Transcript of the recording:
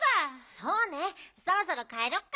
そうねそろそろかえろっか。